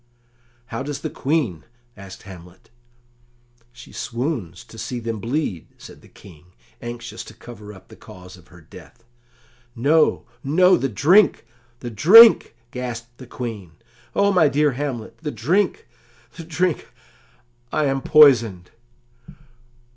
"How does the Queen?" asked Hamlet. "She swoons to see them bleed," said the King, anxious to cover up the cause of her death. "No, no, the drink, the drink!" gasped the Queen, "O my dear Hamlet the drink, the drink! I am poisoned!"